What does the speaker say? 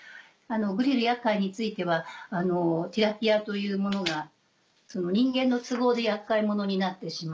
グリル厄介についてはティラピアというものが人間の都合で厄介者になってしまった。